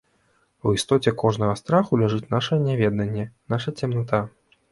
У істоце кожнага страху ляжыць наша няведаньне, наша цемната